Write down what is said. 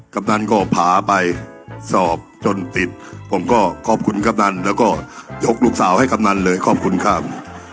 กำนันก็พาไปสอบจนติดผมก็ขอบคุณกำนันแล้วก็ยกลูกสาวให้กำนันเลยขอบคุณครับ